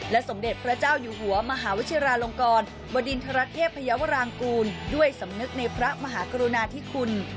สมเด็จพระเจ้าอยู่หัวมหาวชิราลงกรบดินทรเทพยาวรางกูลด้วยสำนึกในพระมหากรุณาธิคุณ